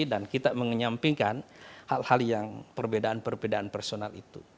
dan kita menyampingkan hal hal yang perbedaan perbedaan personal itu